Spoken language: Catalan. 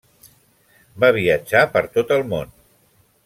Va viatjar per tot el món.